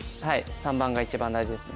３番が一番大事ですね。